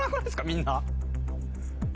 みんな。